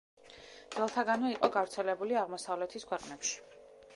ძველთაგანვე იყო გავრცელებული აღმოსავლეთის ქვეყნებში.